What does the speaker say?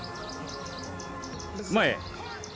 前。